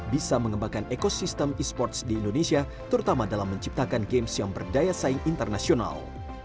bisa mengembangkan ekosistem e sports di indonesia terutama dalam menciptakan games yang berdaya saing internasional